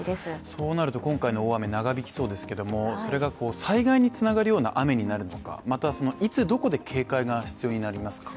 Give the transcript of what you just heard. そうなると今回の大雨長引きそうですけれども、それが災害につながるような雨になるのか、またはいつどこで警戒が必要になりますか？